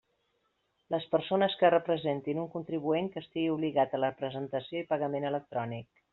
Les persones que representin un contribuent que estigui obligat a la presentació i pagament electrònic.